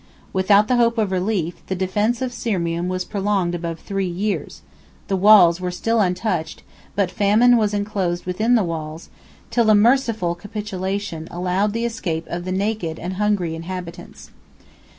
Without the hope of relief, the defence of Sirmium was prolonged above three years: the walls were still untouched; but famine was enclosed within the walls, till a merciful capitulation allowed the escape of the naked and hungry inhabitants.